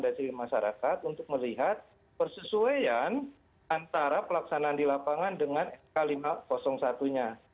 dari sisi masyarakat untuk melihat persesuaian antara pelaksanaan di lapangan dengan sk lima ratus satu nya